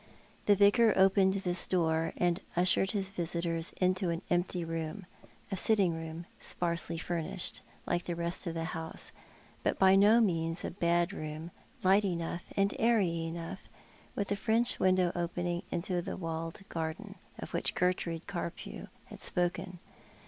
The Vicar opened this door and ushered his visitors into an empty room — a sitting room, sparsely furnished, like the rest of the house, but by no means a bad room, light enough and airy enough, with a French window opening into that walled garden, of which Gertrude Carpew had spoken.